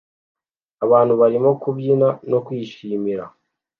abantu barimo kubyina no kwishimira